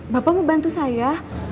bapak mau bantu saya